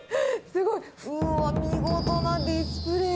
すごい、うわー、見事なディスプレー！